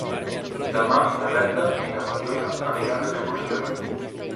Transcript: Demà na Berta i na Mariona aniran d'excursió.